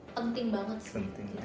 penting banget sih